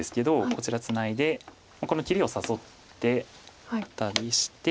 こちらツナいでこの切りを誘ってアタリして。